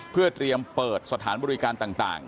เพื่อเตรียมเปิดสถานบริการต่าง